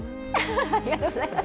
ありがとうございます。